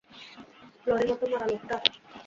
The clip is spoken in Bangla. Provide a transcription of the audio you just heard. লরির মতো মারা লোকটা?